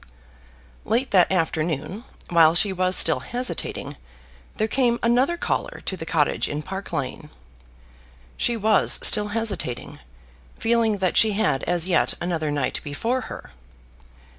Late that afternoon, while she was still hesitating, there came another caller to the cottage in Park Lane. She was still hesitating, feeling that she had as yet another night before her.